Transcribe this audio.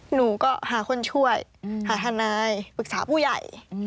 หนูก็หาคนช่วยหาทนายปรึกษาผู้ใหญ่